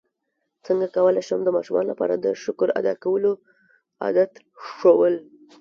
څنګه کولی شم د ماشومانو لپاره د شکر ادا کولو عادت ښوول